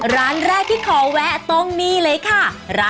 ร้านแรกที่ขอแวะตรงนี้เลยค่ะ